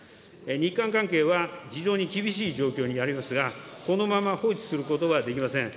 日韓関係は非常に厳しい状況にありますが、このまま放置することはできません。